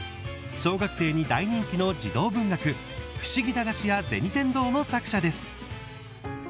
小学生に大人気の児童文学「ふしぎ駄菓子屋銭天堂」の作者です。